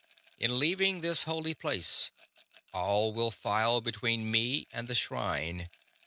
In leaving this holy place all will file between me and the shrine.